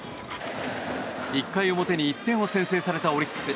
１回表に１点を先制されたオリックス。